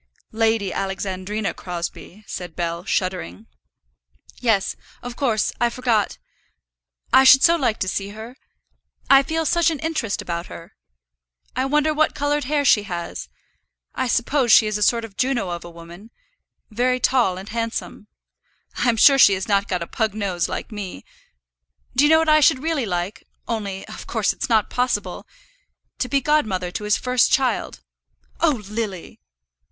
"Lady Alexandrina Crosbie," said Bell, shuddering. "Yes, of course; I forgot. I should so like to see her. I feel such an interest about her. I wonder what coloured hair she has. I suppose she is a sort of Juno of a woman, very tall and handsome. I'm sure she has not got a pug nose like me. Do you know what I should really like, only of course it's not possible; to be godmother to his first child." "Oh, Lily!"